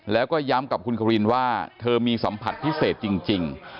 แล้วก็ย้ำกับคุณควินว่าเธอมีสัมผัสพิเศษจริง